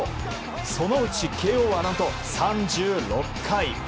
そのうちＫＯは何と３６回。